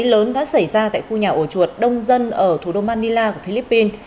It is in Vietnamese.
lớn đã xảy ra tại khu nhà ổ chuột đông dân ở thủ đô manila của philippines